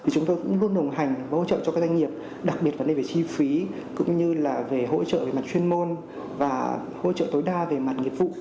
chúng tôi cũng luôn đồng hành hỗ trợ cho các doanh nghiệp đặc biệt vấn đề về chi phí cũng như là về hỗ trợ về mặt chuyên môn và hỗ trợ tối đa về mặt nghiệp vụ